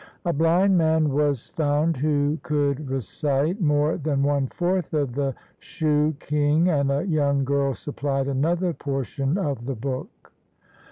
A blind man was found who could recite more than one fourth of the Shoo king, and a young girl supplied another portion of the book.